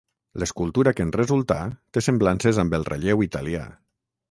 L’escultura que en resultà té semblances amb el relleu italià.